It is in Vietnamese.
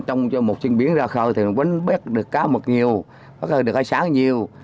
trong một trình biến ra khơi thì mình vẫn bắt được cá mực nhiều bắt được cá sáng nhiều